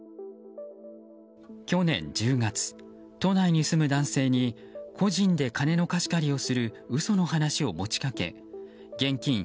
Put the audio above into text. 去年１０月、都内に住む男性に個人で金の貸し借りをする嘘の話を持ちかけ現金